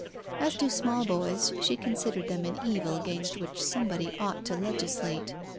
As to small boys, she considered them an evil against which somebody ought to legislate.